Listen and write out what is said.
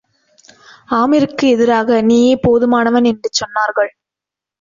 ஆமிருக்கு எதிராக, நீயே போதுமானவன் என்று சொன்னார்கள்.